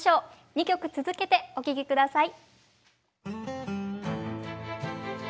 ２曲続けてお聴き下さい。